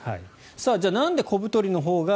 じゃあなんで小太りのほうが